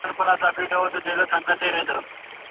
ما روان كړله پر لار د فساديانو